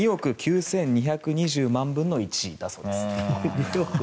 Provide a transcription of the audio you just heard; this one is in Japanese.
２億９２２０万分の１だそうです。